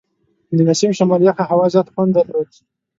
د نسیم شمال یخه هوا زیات خوند درلود.